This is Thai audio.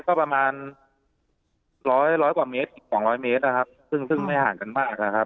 ก็ประมาณร้อยร้อยกว่าเมตรอีกสองร้อยเมตรนะครับซึ่งซึ่งไม่ห่างกันมากนะครับ